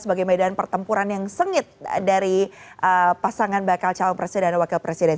sebagai medan pertempuran yang sengit dari pasangan bakal calon presiden dan wakil presiden